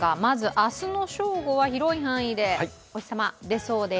明日の正午は広い範囲でお日様、出そうです。